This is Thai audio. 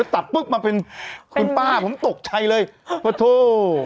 ตัดปุ๊บมาเป็นคุณป้าผมตกใจเลยพ่อโถ